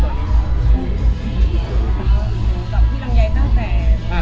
ตั้งแต่